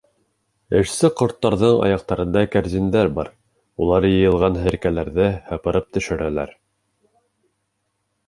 Эшсе ҡорттарҙың аяҡтарында кәрзиндәр бар, уларға йыйылған һеркәләрҙе һыпырып төшөрәләр.